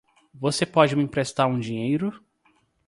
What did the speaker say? Você pode me emprestar um dinheiro?